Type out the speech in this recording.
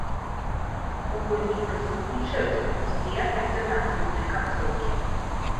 У гульні прысутнічаюць дзве альтэрнатыўныя канцоўкі.